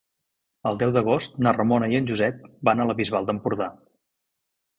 El deu d'agost na Ramona i en Josep van a la Bisbal d'Empordà.